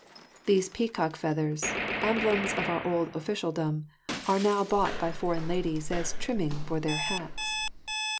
These peacock feathers, emblems of our old officialdom, are now bought by foreign ladies as a trimming on their hats.